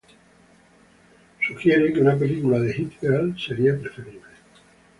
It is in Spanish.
Sugiere que una película de Hit-Girl, sería preferible.